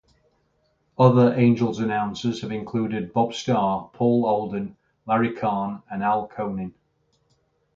Other Angels announcers have included Bob Starr, Paul Olden, Larry Kahn and Al Conin.